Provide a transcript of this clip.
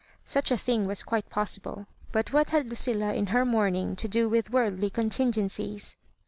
Such a thing was quite possible ; but what had Lucilla in her mourning to do with ^v^rldly contingencies?